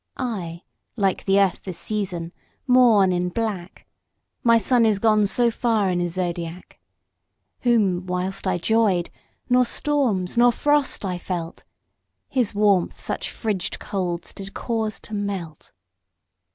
I, like the Earth this season, mourn in black, My Sun is gone so far in's zodiac, Whom whilst I 'joyed, nor storms, nor frost I felt, His warmth such fridged colds did cause to melt.